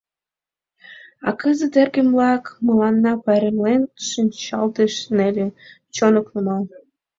А кызыт, эргым-влак, мыланна пайремлен шинчылташ неле, чон ок нумал.